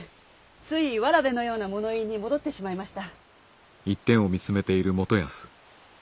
つい童のような物言いに戻ってしまいました。